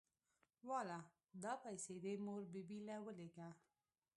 واله دا پيسې دې مور بي بي له ولېږه.